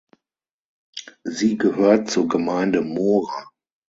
Sie gehört zur Gemeinde Mora.